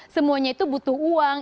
semuanya itu butuh uang